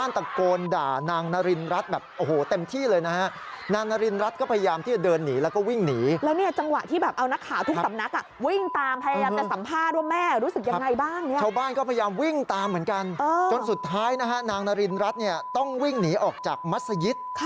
นางนรินรัฐต้องวิ่งหนีออกจากมัศยิต